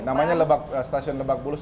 namanya stasiun lebak bulus